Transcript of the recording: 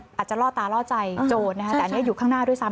อาจจะล่อตาล่อใจโจรนะฮะแต่อันนี้อยู่ข้างหน้าด้วยซ้ำ